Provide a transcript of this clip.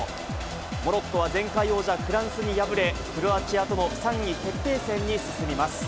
モロッコは、前回王者フランスに敗れ、クロアチアとの３位決定戦に進みます。